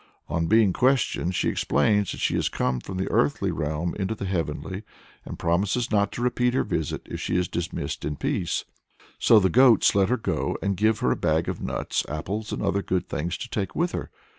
On being questioned, she explains that she has come "from the earthly realm into the heavenly," and promises not to repeat her visit if she is dismissed in peace. So the goats let her go, and give her a bag of nuts, apples, and other good things to take with her.